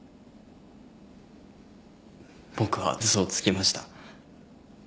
僕は嘘をつきました。